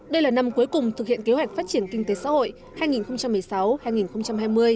đây là năm cuối cùng thực hiện kế hoạch phát triển kinh tế xã hội hai nghìn một mươi sáu hai nghìn hai mươi